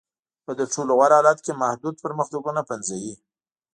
په تر ټولو غوره حالت کې محدود پرمختګونه پنځوي.